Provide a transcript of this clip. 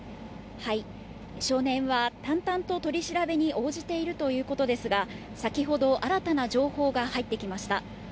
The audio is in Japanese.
少年は淡々と取り調べに応じているということですが、先ほど、新たな情報が入ってきました。